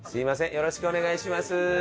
よろしくお願いします。